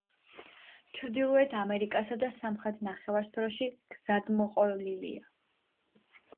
ჩრდილოეთ ამერიკასა და სამხრეთ ნახევარსფეროში გზადმოყოლილია.